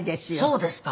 そうですか。